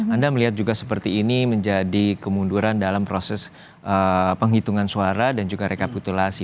anda melihat juga seperti ini menjadi kemunduran dalam proses penghitungan suara dan juga rekapitulasi